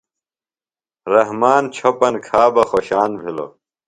رحمان چھوۡپن کھا بہ خوۡشان بِھلوۡ۔